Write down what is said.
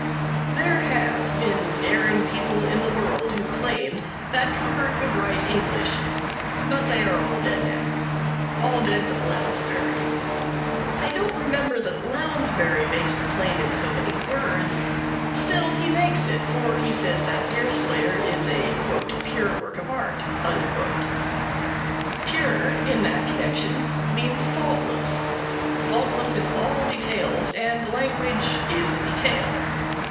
There have been daring people in the world who claimed that Cooper could write English, but they are all dead now all dead but Lounsbury. I don't remember that Lounsbury makes the claim in so many words, still he makes it, for he says that Deerslayer is a "pure work of art." Pure, in that connection, means faultless faultless in all details and language is a detail.